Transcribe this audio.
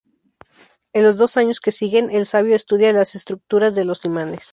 En los dos años que siguen, el sabio estudia las estructuras de los imanes.